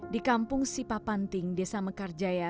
di kampung sipapanting desa mekarjaya